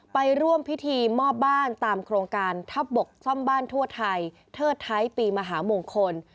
ไปร่วมพิธีมอบบ้านตามโครงการทัพบกซ่อมบ้านทั่วไทยเทิดท้ายปีมหามงคล